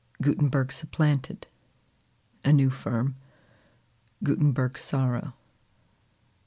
Gutenberg supplanted. A New Firm. Gutenberg's Sorrow.